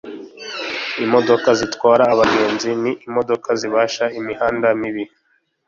imodoka zitwara abagenzi ni imodoka zibasha imihanda mibi